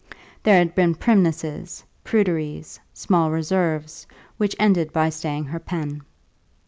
There had been primnesses, pruderies, small reserves, which ended by staying her pen.